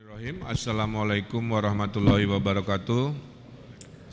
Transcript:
assalamu'alaikum warahmatullahi wabarakatuh